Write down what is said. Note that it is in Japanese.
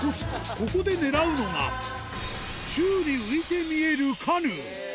ここで狙うのが、宙に浮いて見えるカヌー。